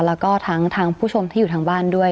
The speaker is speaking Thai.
แล้วก็ทั้งผู้ชมที่อยู่ทางบ้านด้วย